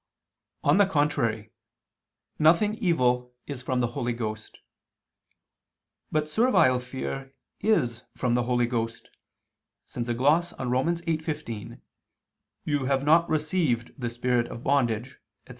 On the contrary, Nothing evil is from the Holy Ghost. But servile fear is from the Holy Ghost, since a gloss on Rom. 8:15, "You have not received the spirit of bondage," etc.